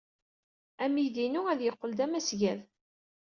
Amidi-inu ad yeqqel d amasgad.